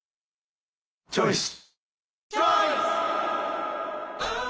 チョイス！